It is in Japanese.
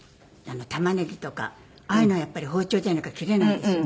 玉ねぎとかああいうのはやっぱり包丁じゃなきゃ切れないでしょ。